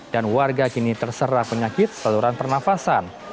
dan warga kini terserah penyakit saluran pernafasan